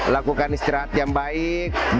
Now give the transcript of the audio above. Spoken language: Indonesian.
lakukan istirahat yang baik